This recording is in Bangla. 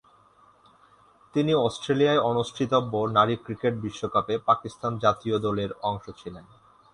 তিনি অস্ট্রেলিয়ায় অনুষ্ঠিতব্য নারী ক্রিকেট বিশ্বকাপে পাকিস্তান জাতীয় দলের অংশ ছিলেন।